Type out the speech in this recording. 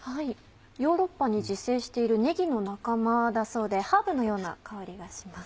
ヨーロッパに自生しているねぎの仲間だそうでハーブのような香りがします。